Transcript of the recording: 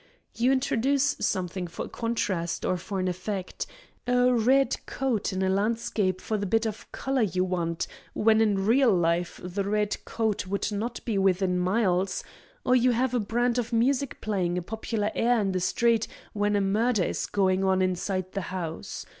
You introduce something for a contrast or for an effect; a red coat in a landscape for the bit of color you want, when in real life the red coat would not be within miles; or you have a band of music playing a popular air in the street when a murder is going on inside the house.